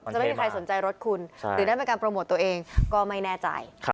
ไม่มีใครสนใจรถคุณหรือได้เป็นการโปรโมทตัวเองก็ไม่แน่ใจ